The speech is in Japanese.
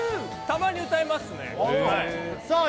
たまに歌いますね・ああ